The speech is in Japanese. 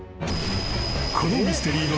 ［このミステリーの真相